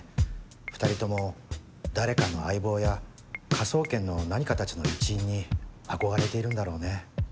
２人とも誰かの相棒や科捜研の何かたちの一員に憧れているんだろうね。